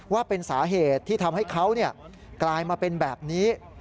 ว่าเป็นสาเหตุที่ทำให้เขากลายมาเป็นแบบนี้